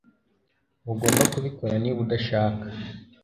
Ntugomba kubikora niba udashaka